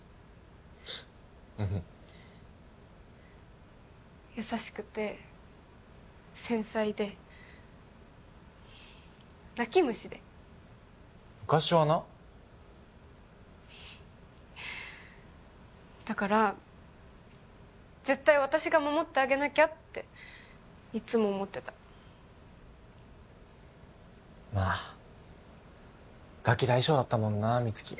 うん優しくて繊細で泣き虫で昔はなだから絶対私が守ってあげなきゃっていつも思ってたまあガキ大将だったもんな美月